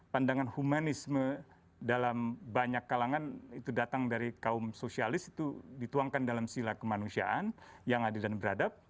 pandangan humanisme dalam banyak kalangan itu datang dari kaum sosialis itu dituangkan dalam sila kemanusiaan yang adil dan beradab